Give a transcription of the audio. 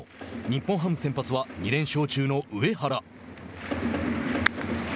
日本ハム先発は２連勝中の上原。